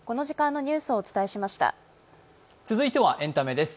続いてはエンタメです。